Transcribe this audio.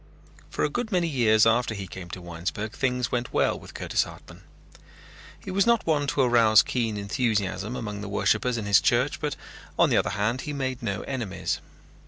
For a good many years after he came to Winesburg things went well with Curtis Hartman. He was not one to arouse keen enthusiasm among the worshippers in his church but on the other hand he made no enemies.